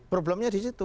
problemnya di situ